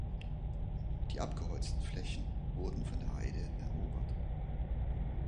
Die abgeholzten Flächen wurden von der Heide erobert.